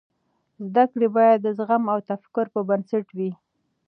زده کړې باید د زغم او تفکر پر بنسټ وي.